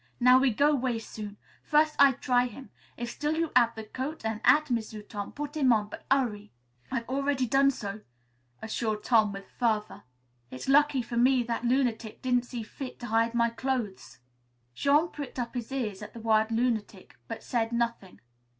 "Now we go 'way soon. First I try him. If still you hav' the coat an' 'at, M'sieu' Tom, put him on; but 'urry." "I've already done so," assured Tom with fervor. "It's lucky for me that lunatic didn't see fit to hide my clothes." Jean pricked up his ears at the word "lunatic," but said nothing.